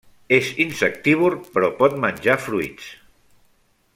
És insectívor però pot menjar fruits.